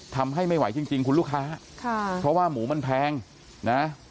ทำให้ไม่ไหวจริงคุณลูกค้าค่ะเพราะว่าหมูมันแพงนะ